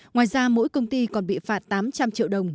ngoài ra mỗi công ty còn bị phạt tám trăm linh triệu đồng